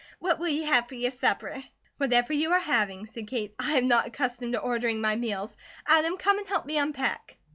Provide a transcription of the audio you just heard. What will you have for your supper?" "Whatever you are having," said Kate. "I am not accustomed to ordering my meals. Adam, come and help me unpack."